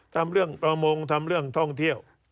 ทำเรื่องประมงทำเรื่องท่องเที่ยว